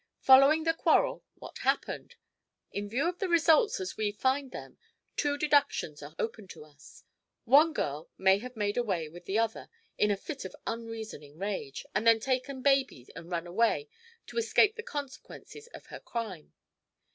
Following the quarrel, what happened? In view of the results, as we find them, two deductions are open to us. One girl may have made away with the other, in a fit of unreasoning rage, and then taken baby and run away to escape the consequences of her crime.